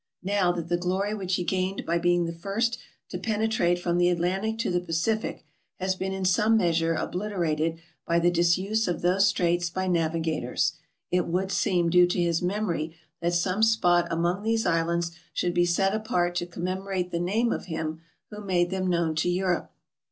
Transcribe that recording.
Now that the glory which he gained by being the first to pene trate from the Atlantic to the Pacific has been in some measure obliterated by the disuse of those straits by naviga tors, it would seem due to his memory that some spot among these islands should be set apart to commemorate the name of him who made them known to Europe.